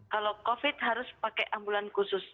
kalau covid harus pakai ambulan khusus